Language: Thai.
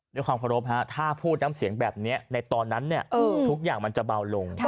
ด้วยความเคารพถ้าพูดน้ำเสียงแบบนี้ในตอนนั้นทุกอย่างมันจะเบาลง